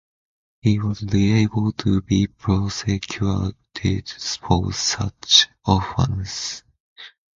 He was liable to be prosecuted for such offences.